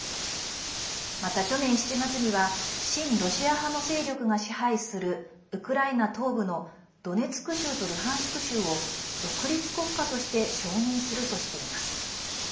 また去年７月には親ロシア派の勢力が支配するウクライナ東部のドネツク州とルハンシク州を独立国家として承認するとしています。